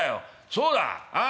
そうだああ。